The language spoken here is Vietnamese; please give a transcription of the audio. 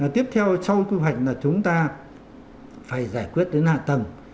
tiếp theo trong quy hoạch là chúng ta phải giải quyết đến hạ tầng